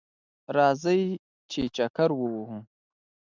راځئ چه چکر ووهو